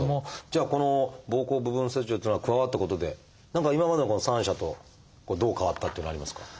じゃあこの膀胱部分切除っていうのが加わったことで何か今までのこの三者とどう変わったっていうのありますか？